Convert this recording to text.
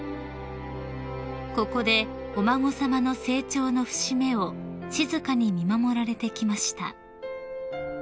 ［ここでお孫さまの成長の節目を静かに見守られてきました］